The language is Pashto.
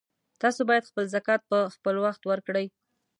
تاسو باید خپل زکات په خپلوخت ورکړئ